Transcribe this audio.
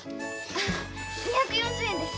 ２４０円です。